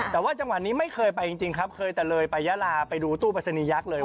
แต่ว่าจังหวะนี้ไม่เคยไปจริงครับเคยแต่เลยไปยาลาไปดูตู้ปริศนียักษ์เลย